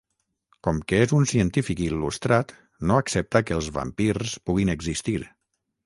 Com que és un científic il·lustrat, no accepta que els vampirs puguin existir.